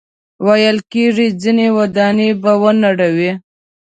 ویل کېږي ځینې ودانۍ به ونړوي.